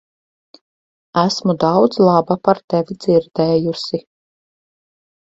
Esmu daudz laba par tevi dzirdējusi.